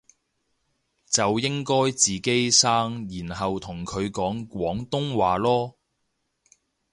就應該自己生然後同佢講廣東話囉